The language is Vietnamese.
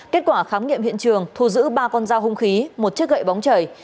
kết quả khám nghiệm hiện trường thu giữ ba con dao hung khí một chiếc gậy bóng chảy